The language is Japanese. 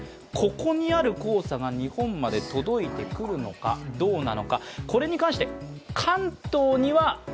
ここにある黄砂が日本まで届いてくるのかどうなのか。